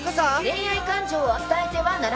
恋愛感情を伝えてはならない。